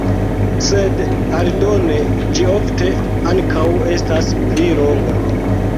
Sed aldone ĝi ofte ankaŭ estas pli longa.